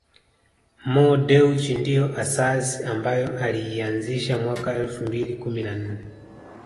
Mo Dewji ndio asasi ambayo aliianzisha mwaka elfu mbili kumi na nne